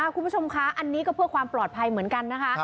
คุณผู้ชมคะอันนี้ก็เพื่อความปลอดภัยเหมือนกันนะคะ